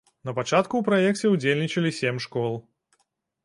Напачатку ў праекце ўдзельнічалі сем школ.